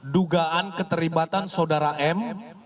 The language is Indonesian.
dugaan keterlibatan saudara m